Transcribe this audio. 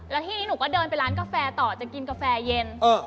แล้วทีนี้หนูก็เดินไปร้านกาแฟต่อจะกินกาแฟเย็น